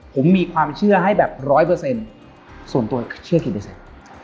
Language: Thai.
ผมมีความเชื่อให้แบบร้อยเปอร์เซ็นต์ส่วนตัวเชื่อกี่เปอร์เซ็นต์